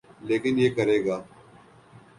لیکن یہ کرے گا۔